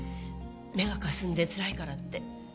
目がかすんでつらいからって。